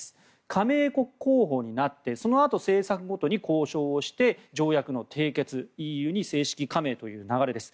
加盟国候補になってそのあと政策ごとに交渉をして、条約の締結ＥＵに正式加盟という流れです。